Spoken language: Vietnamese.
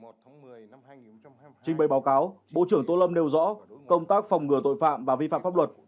trình bày báo cáo bộ trưởng tô lâm nêu rõ công tác phòng ngừa tội phạm và vi phạm pháp luật